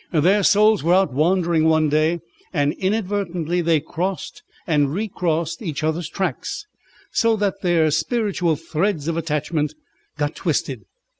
Their souls were out wandering one day, and inadvertently they crossed and recrossed each other's tracks so that their spiritual threads of attachment got twisted.